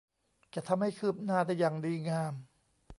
จะทำให้คืบหน้าได้อย่างดีงาม